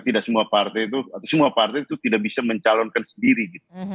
tidak semua partai itu atau semua partai itu tidak bisa mencalonkan sendiri gitu